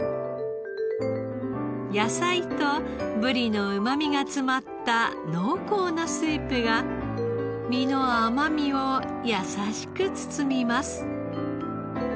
野菜とブリのうま味が詰まった濃厚なスープが身の甘みを優しく包みます。